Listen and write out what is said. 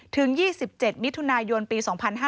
ถึง๒๗มิถุนายนปี๒๕๕๙